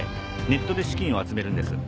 ネットで資金を集めるんです。